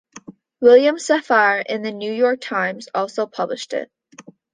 William Safire in "The New York Times" also published it.